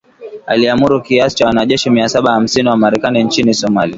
aliamuru kiasi cha wanajeshi mia saba hamsini wa Marekani nchini Somalia